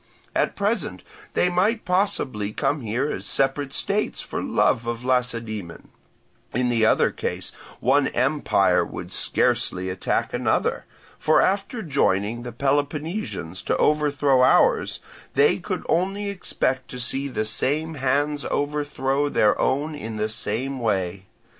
At present they might possibly come here as separate states for love of Lacedaemon; in the other case one empire would scarcely attack another; for after joining the Peloponnesians to overthrow ours, they could only expect to see the same hands overthrow their own in the same way.